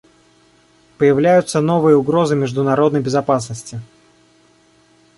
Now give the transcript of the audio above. Появляются новые угрозы международной безопасности.